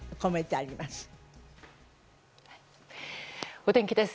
お天気です。